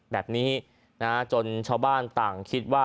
แบบนี้จนชาวบ้านต่างคิดว่า